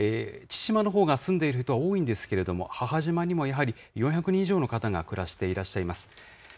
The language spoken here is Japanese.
父島のほうが住んでる人は多いんですけれども、母島にもやはり４００人以上の方が暮らしていらっしゃいます。